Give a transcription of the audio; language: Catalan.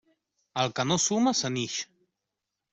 El que no suma, se n'ix.